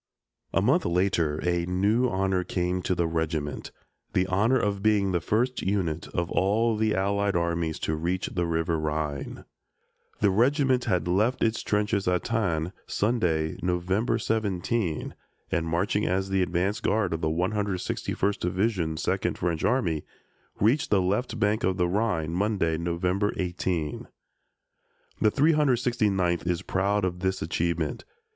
A month later a new honor came to the regiment the honor of being the first unit of all the Allied armies to reach the River Rhine. The regiment had left its trenches at Thann, Sunday, November 17, and, marching as the advance guard of the 161st Division, Second French Army, reached the left bank of the Rhine, Monday, November 18. The 369th is proud of this achievement.